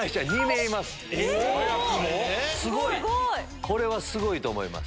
早くも⁉これはすごいと思います。